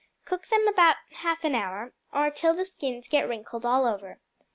Cook them about half an hour, or till the skins get wrinkled all over.